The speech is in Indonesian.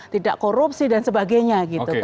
tidak korupsi dan sebagainya